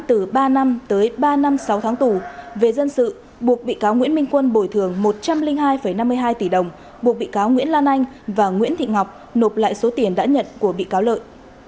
từ ba năm tới ba năm sáu tháng tù về dân sự buộc bị cáo nguyễn minh quân bồi thường một trăm linh hai năm mươi hai tỷ đồng buộc bị cáo nguyễn lan anh và nguyễn thị ngọc nộp lại số tiền đã nhận của bị cáo lợi